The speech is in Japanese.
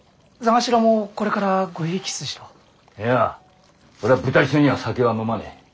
いや俺は舞台中には酒は飲まねえ。